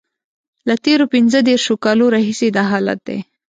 له تېرو پنځه دیرشو کالو راهیسې دا حالت دی.